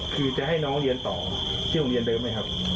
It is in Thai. คือจะให้น้องเรียนต่อที่โรงเรียนเดิมไหมครับ